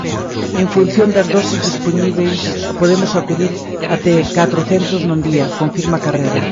"En función das doses dispoñíbeis podemos acudir até catro centros nun día", confirma Carrera.